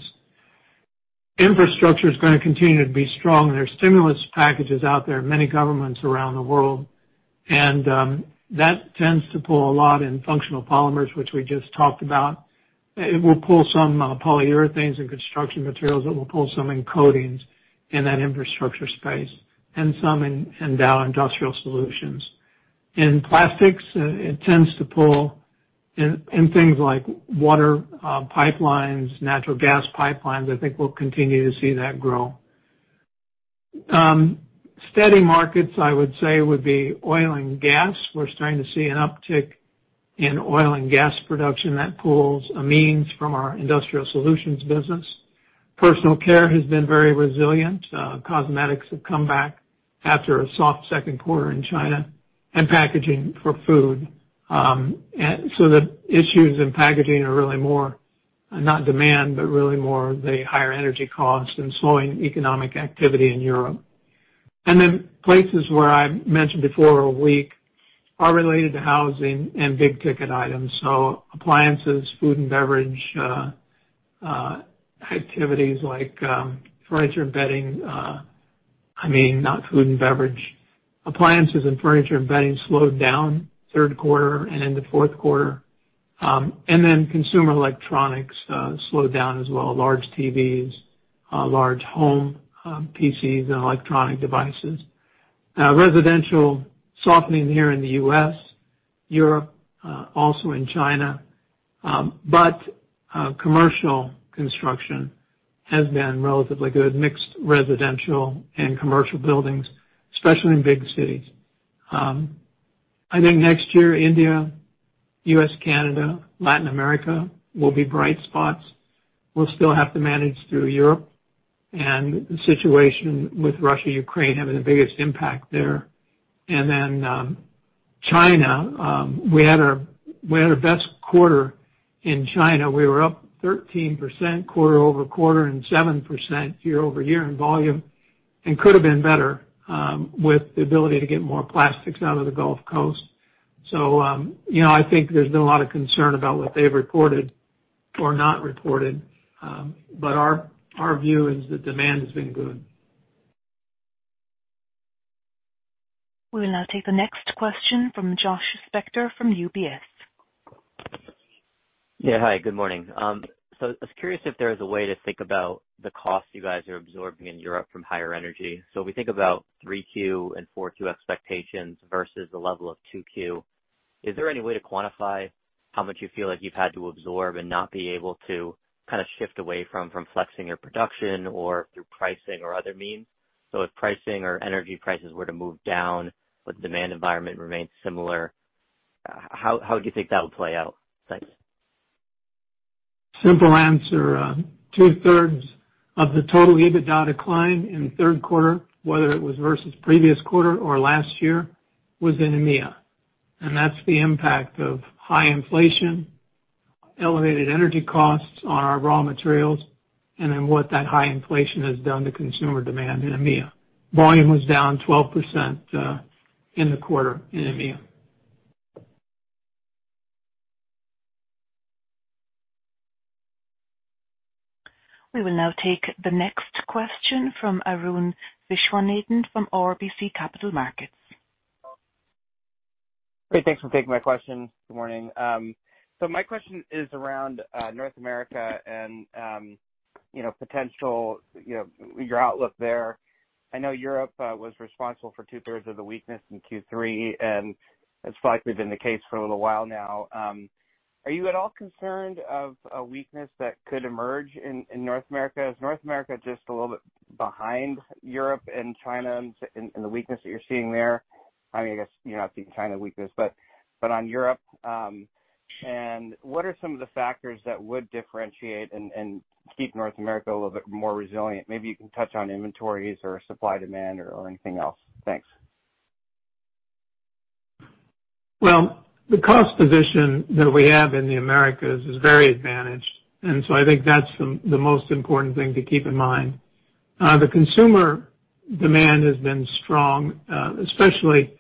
Infrastructure is gonna continue to be strong. There are stimulus packages out there, many governments around the world, and that tends to pull a lot in functional polymers, which we just talked about. It will pull some polyurethanes and construction materials. It will pull some in coatings in that infrastructure space and some in Dow Industrial Solutions. In plastics, it tends to pull in things like water pipelines, natural gas pipelines. I think we'll continue to see that grow. Steady markets I would say would be oil and gas. We're starting to see an uptick in oil and gas production. That pulls amines from our Industrial Solutions business. Personal care has been very resilient. Cosmetics have come back after a soft second quarter in China, and packaging for food. The issues in packaging are really more not demand, but really more the higher energy costs and slowing economic activity in Europe. Then places where I've mentioned before are weak related to housing and big-ticket items, so appliances, food and beverage, activities like furniture and bedding. I mean, not food and beverage. Appliances and furniture and bedding slowed down third quarter and into fourth quarter. And then consumer electronics slowed down as well, large TVs, large home PCs, and electronic devices. Residential softening here in the U.S., Europe, also in China. Commercial construction has been relatively good, mixed residential and commercial buildings, especially in big cities. I think next year, India, U.S., Canada, Latin America will be bright spots. We'll still have to manage through Europe and the situation with Russia-Ukraine having the biggest impact there. China, we had our best quarter in China. We were up 13% quarter-over-quarter and 7% year-over-year in volume and could have been better with the ability to get more plastics out of the U.S. Gulf Coast. you know, I think there's been a lot of concern about what they've reported or not reported, but our view is the demand has been good.
We will now take the next question from Josh Spector from UBS.
Yeah. Hi, good morning. I was curious if there was a way to think about the cost you guys are absorbing in Europe from higher energy. We think about 3Q and 4Q expectations versus the level of 2Q. Is there any way to quantify how much you feel like you've had to absorb and not be able to kinda shift away from flexing your production or through pricing or other means? If pricing or energy prices were to move down, but demand environment remains similar, how do you think that would play out? Thanks.
Simple answer. Two-thirds of the total EBITDA decline in the third quarter, whether it was versus previous quarter or last year, was in EMEA, and that's the impact of high inflation, elevated energy costs on our raw materials, and then what that high inflation has done to consumer demand in EMEA. Volume was down 12%, in the quarter in EMEA.
We will now take the next question from Arun Viswanathan from RBC Capital Markets.
Great. Thanks for taking my question. Good morning. So my question is around North America and, you know, potential, you know, your outlook there. I know Europe was responsible for two-thirds of the weakness in Q3, and that's likely been the case for a little while now. Are you at all concerned of a weakness that could emerge in North America? Is North America just a little bit behind Europe and China in the weakness that you're seeing there? I mean, I guess you're not seeing China weakness, but on Europe, and what are some of the factors that would differentiate and keep North America a little bit more resilient? Maybe you can touch on inventories or supply-demand or anything else. Thanks.
Well, the cost position that we have in the Americas is very advantaged, and so I think that's the most important thing to keep in mind. The consumer demand has been strong, especially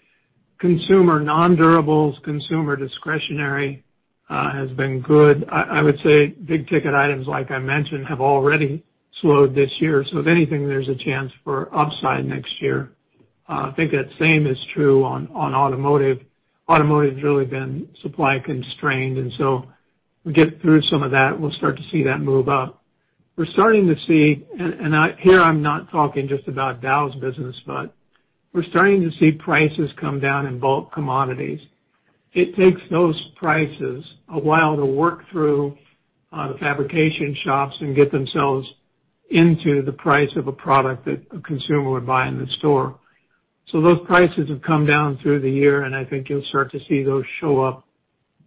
consumer non-durables, consumer discretionary, has been good. I would say big-ticket items, like I mentioned, have already slowed this year, so if anything, there's a chance for upside next year. I think that same is true on automotive. Automotive's really been supply constrained, and so we get through some of that, we'll start to see that move up. Here I'm not talking just about Dow's business, but we're starting to see prices come down in bulk commodities. It takes those prices a while to work through the fabrication shops and get themselves into the price of a product that a consumer would buy in the store. So those prices have come down through the year, and I think you'll start to see those show up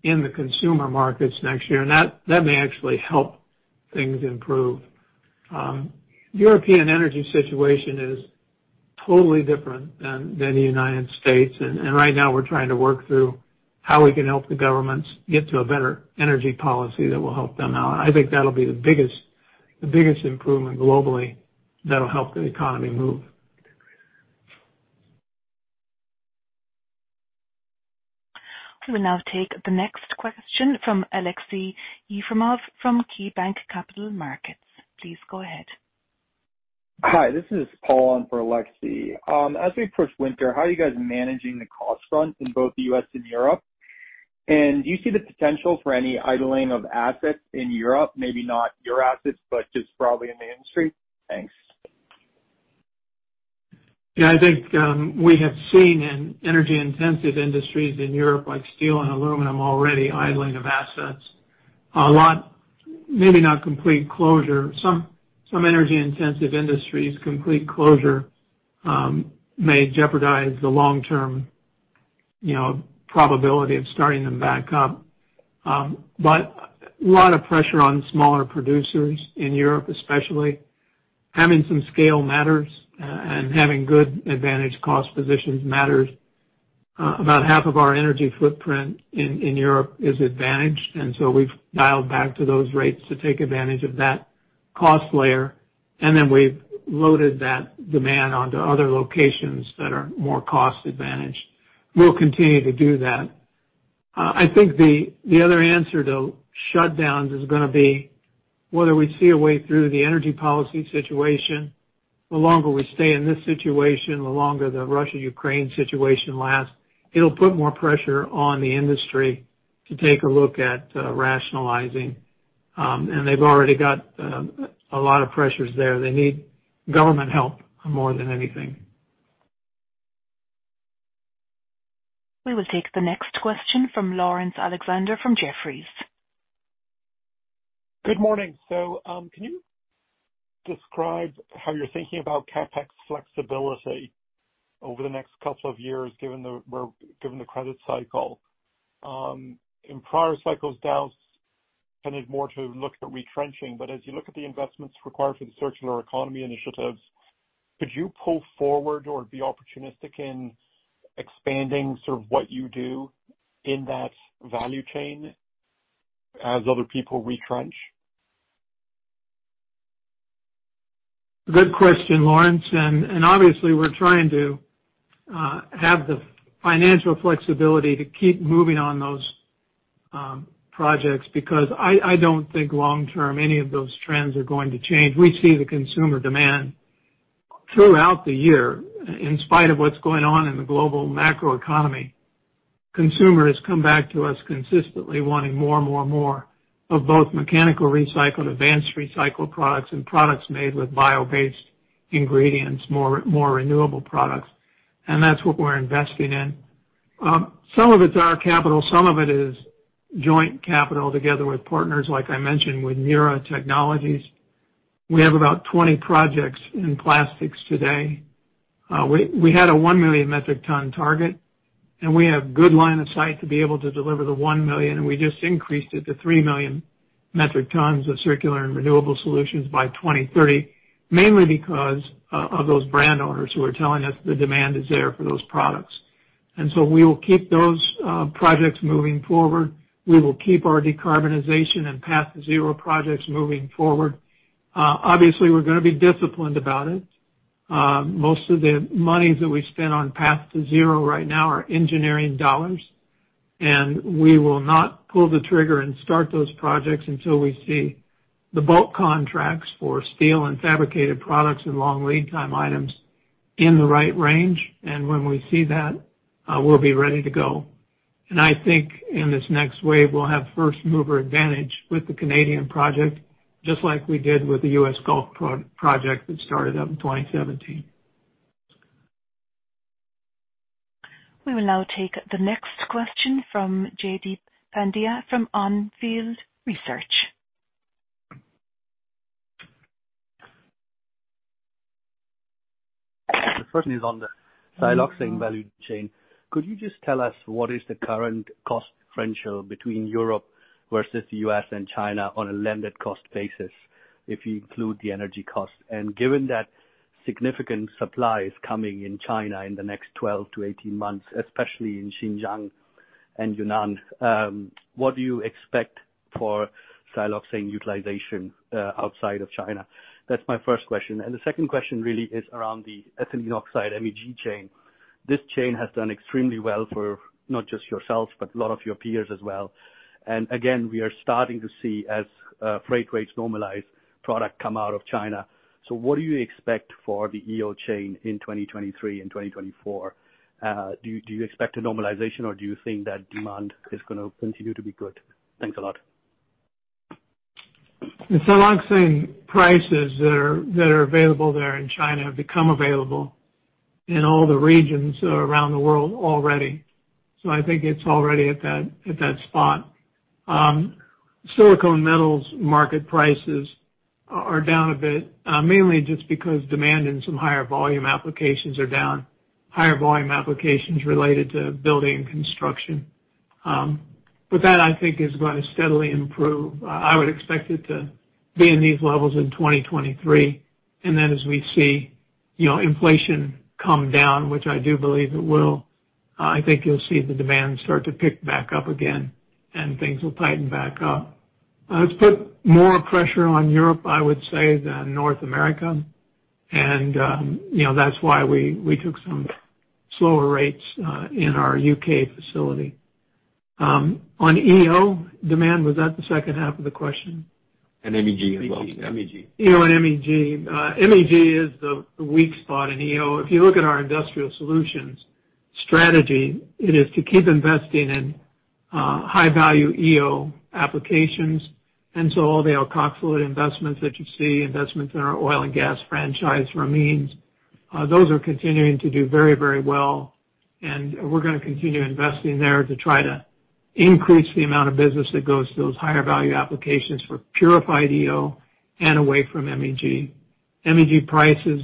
in the consumer markets next year. That may actually help things improve. European energy situation is totally different than the United States. Right now we're trying to work through how we can help the governments get to a better energy policy that will help them out. I think that'll be the biggest improvement globally that'll help the economy move.
We will now take the next question from Aleksey Yefremov from KeyBanc Capital Markets. Please go ahead.
Hi, this is Paul on for Aleksey. As we approach winter, how are you guys managing the cost front in both the U.S. and Europe? Do you see the potential for any idling of assets in Europe? Maybe not your assets, but just probably in the industry? Thanks.
Yeah. I think we have seen in energy-intensive industries in Europe, like steel and aluminum, already idling of assets. A lot, maybe not complete closure. Some energy-intensive industries, complete closure, may jeopardize the long-term, you know, probability of starting them back up. But a lot of pressure on smaller producers in Europe, especially. Having some scale matters, and having good advantage cost positions matters. About half of our energy footprint in Europe is advantaged, and so we've dialed back to those rates to take advantage of that cost layer, and then we've loaded that demand onto other locations that are more cost-advantaged. We'll continue to do that. I think the other answer to shutdowns is gonna be whether we see a way through the energy policy situation. The longer we stay in this situation, the longer the Russia-Ukraine situation lasts, it'll put more pressure on the industry to take a look at rationalizing. They've already got a lot of pressures there. They need government help more than anything.
We will take the next question from Laurence Alexander from Jefferies.
Good morning. Can you describe how you're thinking about CapEx flexibility over the next couple of years, given the credit cycle? In prior cycles, Dow's tended more to look at retrenching, but as you look at the investments required for the circular economy initiatives, could you pull forward or be opportunistic in expanding sort of what you do in that value chain as other people retrench?
Good question, Laurence, obviously we're trying to have the financial flexibility to keep moving on those projects because I don't think long term any of those trends are going to change. We see the consumer demand throughout the year. In spite of what's going on in the global macroeconomy, consumers come back to us consistently wanting more and more and more of both mechanical recycled, advanced recycled products, and products made with bio-based ingredients, more, more renewable products, and that's what we're investing in. Some of it's our capital, some of it is joint capital together with partners like I mentioned with Mura Technology. We have about 20 projects in plastics today. We had a 1 million metric ton target, and we have good line of sight to be able to deliver the 1 million, and we just increased it to 3 million metric tons of circular and renewable solutions by 2023, mainly because of those brand owners who are telling us the demand is there for those products. We will keep those projects moving forward. We will keep our decarbonization and Path to Zero projects moving forward. Obviously, we're gonna be disciplined about it. Most of the monies that we spend on Path to Zero right now are engineering dollars. When we see that, we'll be ready to go. I think in this next wave we'll have first mover advantage with the Canadian project, just like we did with the U.S. Gulf project that started up in 2017.
We will now take the next question from Jaideep Pandya from Arnfield Research.
The first is on the siloxane value chain. Could you just tell us what is the current cost differential between Europe versus the U.S. and China on a landed cost basis if you include the energy cost? Given that significant supply is coming in China in the next 12-18 months, especially in Xinjiang and Yunnan, what do you expect for siloxane utilization outside of China? That's my first question. The second question really is around the ethylene oxide MEG chain. This chain has done extremely well for not just yourselves, but a lot of your peers as well. Again, we are starting to see freight rates normalize, product come out of China. What do you expect for the EO chain in 2023 and 2024? Do you expect a normalization, or do you think that demand is gonna continue to be good? Thanks a lot.
The siloxanes prices that are available there in China have become available in all the regions around the world already. I think it's already at that spot. Silicon metal market prices are down a bit, mainly just because demand in some higher volume applications are down. Higher volume applications related to building and construction. But that I think is gonna steadily improve. I would expect it to be in these levels in 2023, and then as we see, you know, inflation come down, which I do believe it will, I think you'll see the demand start to pick back up again and things will tighten back up. It's put more pressure on Europe, I would say, than North America. You know, that's why we took some slower rates in our U.K. facility. On EO demand, was that the second half of the question?
MEG as well. MEG.
EO and MEG. MEG is the weak spot in EO. If you look at our industrial solutions strategy, it is to keep investing in high-value EO applications. All the alkoxylate investments that you see, investments in our oil and gas franchise, ROAMINE, those are continuing to do very, very well, and we're gonna continue investing there to try to increase the amount of business that goes to those higher value applications for purified EO and away from MEG. MEG prices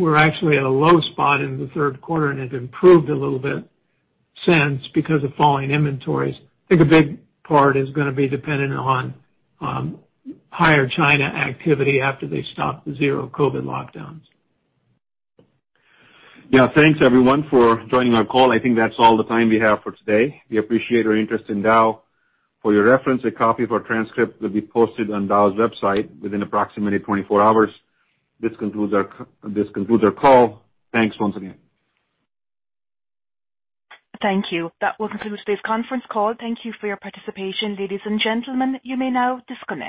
were actually at a low spot in the third quarter and have improved a little bit since because of falling inventories. I think a big part is gonna be dependent on higher China activity after they stop the zero COVID lockdowns.
Yeah. Thanks everyone for joining our call. I think that's all the time we have for today. We appreciate your interest in Dow. For your reference, a copy of our transcript will be posted on Dow's website within approximately 24 hours. This concludes our call. Thanks once again.
Thank you. That will conclude today's conference call. Thank you for your participation, ladies and gentlemen. You may now disconnect.